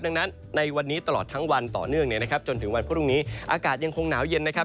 ดังนั้นในวันนี้ตลอดทั้งวันต่อเนื่องเนี่ยนะครับจนถึงวันพรุ่งนี้อากาศยังคงหนาวเย็นนะครับ